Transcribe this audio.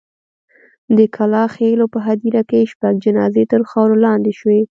د کلا خېلو په هدیره کې شپږ جنازې تر خاورو لاندې شوې.